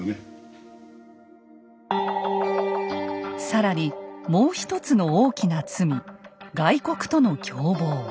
更にもう一つの大きな罪「外国との共謀」。